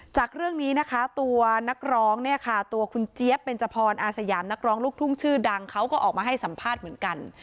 จากเรื่องนี้นะคะตัวนักร้องเนี่ยค่ะตัวคุณเจี๊ยบเบนจพรอาสยามนักร้องลูกทุ่งชื่อดังเขาก็ออกมาให้สัมภาษณ์เหมือนกัน